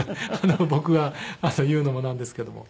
僕が言うのもなんですけども。